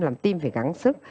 làm tim phải gắng sức